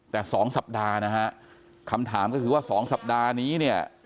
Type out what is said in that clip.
แต่๒สัปดาห์นะฮะคำถามก็คือว่า๒สัปดาห์นี้เนี่ย